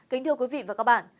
kính thưa quý vị và các bạn